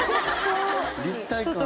立体感。